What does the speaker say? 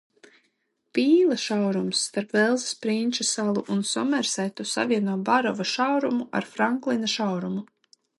Pīla šaurums starp Velsas Prinča salu un Somersetu savieno Barova šaurumu ar Franklina šaurumu.